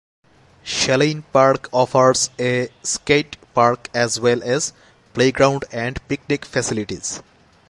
Schellin Park offers a skate park as well as playground and picnic facilities.